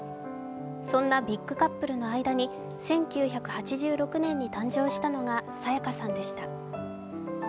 そんなビッグカップルの間に１９８６年に誕生したのが沙也加さんでした。